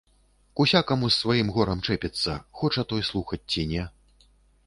К усякаму з сваім горам чэпіцца, хоча той слухаць ці не.